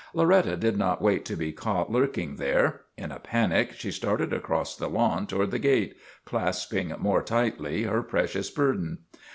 Loretta did not wait to be caught lurking there. In a panic she started across the lawn toward the gate, clasping more tightly her precious burden.